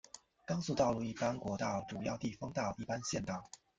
高速道路一般国道主要地方道一般县道